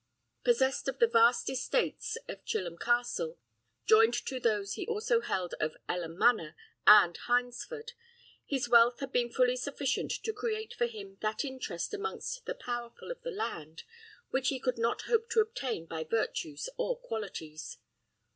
Possessed of the vast estates of Chilham Castle, joined to those he also held of Elham Manor and Hyndesford, his wealth had been fully sufficient to create for him that interest amongst the powerful of the land which he could not hope to obtain by virtues or qualities.